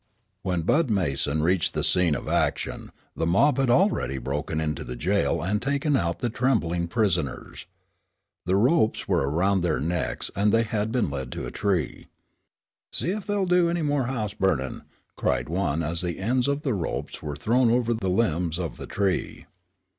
When Bud Mason reached the scene of action, the mob had already broken into the jail and taken out the trembling prisoners. The ropes were round their necks and they had been led to a tree. "See ef they'll do anymore house burnin'!" cried one as the ends of the ropes were thrown over the limbs of the tree.